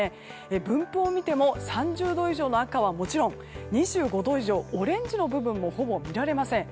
分布を見ても３０度以上の赤はもちろん２５度以上、オレンジの部分もほぼ見られません。